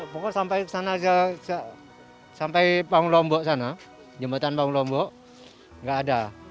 pokoknya sampai panglombok sana jembatan panglombok enggak ada